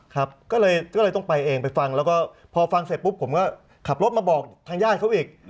ครับก็เลยต้องไปเองไปฟังแล้วก็พอฟังเสร็จปุ๊บผมก็ขับรถมาบอกทางญาติเขาอีก